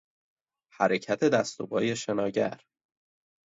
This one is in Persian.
حرکت دست و پای شناگر